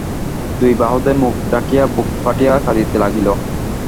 দুই বাহুতে মুখ ঢাকিয়া বুক ফাটিয়া কাঁদিতে লাগিল।